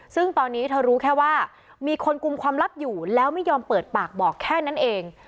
ซึ่งตอนนี้เธอรู้แค่ว่ามีคนกลุ่มความลับอยู่แล้วไม่ยอมเปิดปากบอกแค่นั้นเอง